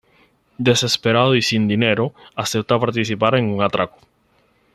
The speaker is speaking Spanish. Desesperado y sin dinero, acepta participar en un atraco.